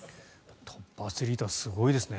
トップアスリートはすごいですね。